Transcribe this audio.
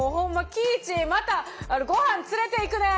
喜一またごはん連れていくね。